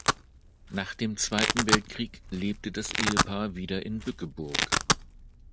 Nach dem Zweiten Weltkrieg lebte das Ehepaar wieder in Bückeburg.